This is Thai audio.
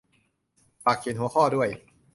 ฝากเขียนหัวข้อด้วย